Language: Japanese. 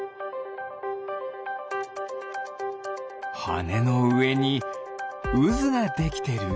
はねのうえにうずができてる？